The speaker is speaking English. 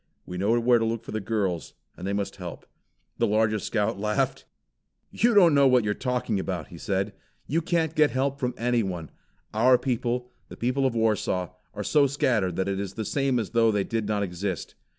We know where to look for the girls, and they must help." The largest Scout laughed. "You don't know what you are talking about," he said. "You can't get help from anyone. Our people, the people of Warsaw, are so scattered, that it is the same as though they did not exist.